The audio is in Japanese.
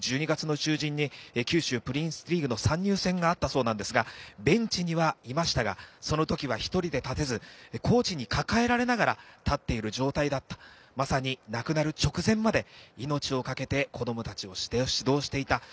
１２月の中旬に九州プリンスリーグの参入戦があったそうですが、ベンチにはいましたが、その時は１人で立てず、コーチに抱えられながら立ってる状態だったとまさに亡くなる直前まで命をかけて、子供たちを指導していた。